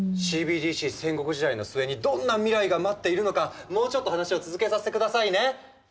戦国時代の末にどんな未来が待っているのかもうちょっと話を続けさせてくださいね。